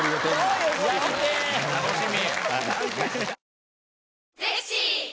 楽しみ。